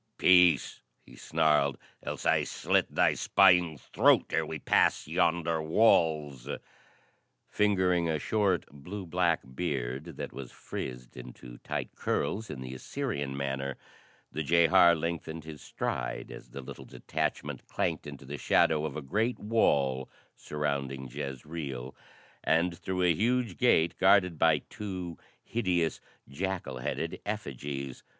"Peace!" he snarled. "Else I slit thy spying throat ere we pass yonder walls." Fingering a short blue black beard that was frizzed into tight curls in the Assyrian manner, the jehar lengthened his stride as the little detachment clanked into the shadow of a great wall surrounding Jezreel, and through a huge gate guarded by two hideous, jackal headed effigies.